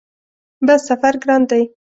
بس سفر ګران دی؟